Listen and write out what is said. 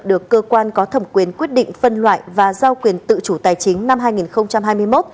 được cơ quan có thẩm quyền quyết định phân loại và giao quyền tự chủ tài chính năm hai nghìn hai mươi một